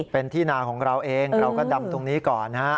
เป็นที่นาของเราเองเราก็ดำตรงนี้ก่อนนะฮะ